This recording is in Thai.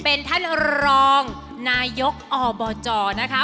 เป็นท่านรองนายกอบจนะคะ